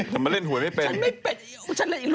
ทำไมเล่นหวยไม่เป็น